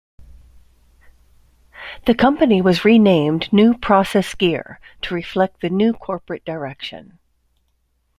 The company was renamed New Process Gear to reflect the new corporate direction.